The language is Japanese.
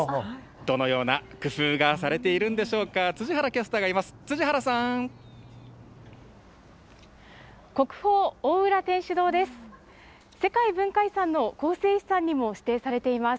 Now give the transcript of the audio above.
どのような工夫がされているんでしょうか、辻原キャスターがいます。